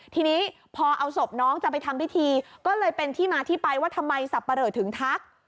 ทีนี้พอเอาศพน้องจะไปทำพิธีก็เลยเป็นที่มาที่ไปว่าทำไมสับปะเหลอถึงทัก